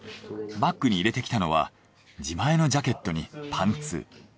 バッグに入れてきたのは自前のジャケットにパンツ。